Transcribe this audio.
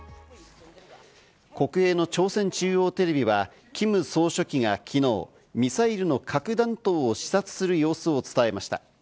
国営の朝鮮中央通信テレビは、キム総書記が昨日、ミサイルの核弾頭を視察する様子を伝えました。